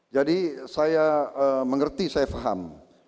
jadi saya mengerti saya paham